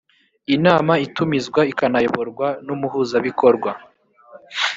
inama itumizwa ikanayoborwa n umuhuzabikorwa